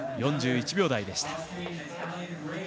４１秒台でした。